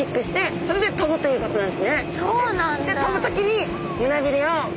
そうなんです。